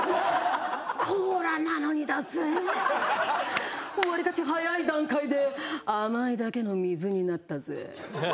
コーラなのにだぜぇ？わりかし早い段階で甘いだけの水になったぜ。